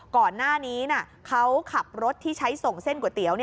ก่อนหน้านี้เขาขับรถที่ใช้ส่งเส้นก๋วยเตี๋ยว